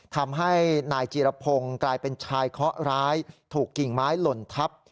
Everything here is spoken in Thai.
ทำให้นายจีรพงศ์กลายเป็นชายเคาะร้ายถูกกิ่งไม้หล่นทับ